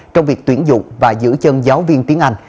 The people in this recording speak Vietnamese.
trong việc tuyển dụng và giữ chân giáo viên tiếng anh